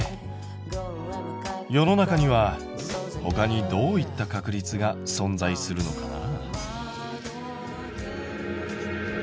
世の中にはほかにどういった確率が存在するのかな？